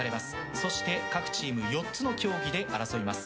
そして、各チーム４つの競技で争います。